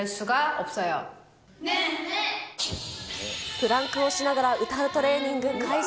プランクをしながら歌うトレーニング、開始。